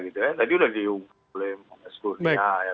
tadi sudah diunggulkan oleh mbak s kurnia